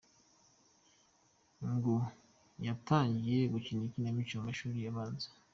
Ngo yatangiye gukina ikinamico ari mu mashuri abanza.